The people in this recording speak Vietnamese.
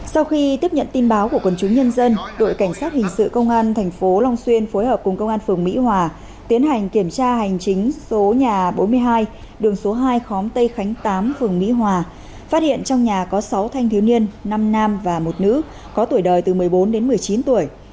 sau khi tiếp nhận tin báo của quân chúng nhân dân đội cảnh sát hình sự công an thành phố long xuyên phối hợp cùng công an phường mỹ hòa tiến hành kiểm tra hành chính số nhà bốn mươi hai đường số hai khóm tây khánh tám phường mỹ hòa phát hiện trong nhà có sáu thanh thiếu niên năm nam và một nữ có tuổi đời từ một mươi bốn đến một mươi chín tuổi